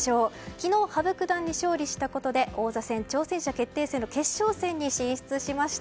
昨日、羽生九段に勝利したことで王座戦挑戦者決定戦の決勝戦に進出しました。